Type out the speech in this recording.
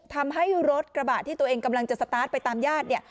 ทำให้รถกระบะที่ตัวเองกำลังจะสตาร์ทไปตามญาติเนี่ย